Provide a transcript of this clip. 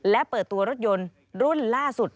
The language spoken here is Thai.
และเปิดตัวรถยนต์รุ่นล่าสุด